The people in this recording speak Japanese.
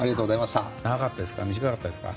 長かったですか？